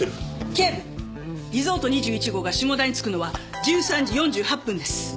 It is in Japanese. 警部リゾート２１号が下田に着くのは１３時４８分です。